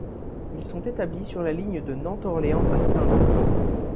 Ils sont établis sur la ligne de Nantes-Orléans à Saintes.